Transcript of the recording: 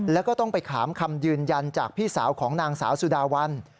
แล้วก็ต้องไปถามคำยืนยันจากพี่สาวของนางสาวสุดาวัน